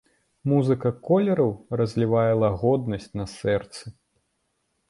Музыка колераў разлівае лагоднасць на сэрцы.